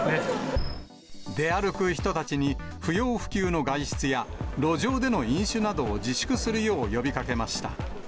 出歩く人たちに不要不急の外出や路上での飲酒などを自粛するよう呼びかけました。